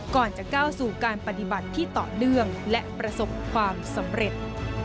ก่อนจะก้าวสู่การปฏิบัติที่ต่อเนื่องและประสบความสำเร็จ